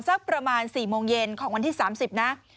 สักประมาณ๔โมงเย็นของวันที่๓๐นะ